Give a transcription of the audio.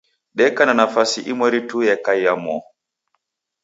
Deka na nafasi imweri tu yekaya moo.